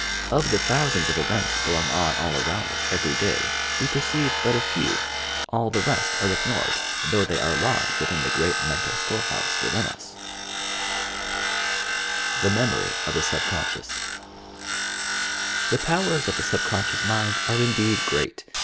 Of the thousands of events going on all around us every day, we perceive but a few ; all the rest are ignored, though they are lodged within the great mental store house within us. 34 YOUR PSYCHIC POWERS THE MEMORY OF THE SUBCONSCIOUS The powers of the subconscious mind are indeed great.